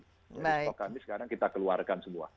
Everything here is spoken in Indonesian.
jadi sekarang kita keluarkan semua